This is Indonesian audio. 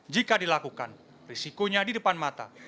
jika dilakukan risikonya di depan mata